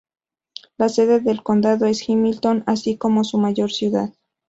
La sede del condado es Hamilton, así como su mayor ciudad.